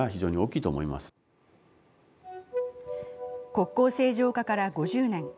国交正常化から５０年。